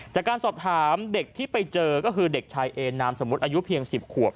จากการสอบถามเด็กที่ไปเจอก็คือเด็กชายเอนามสมมุติอายุเพียง๑๐ขวบ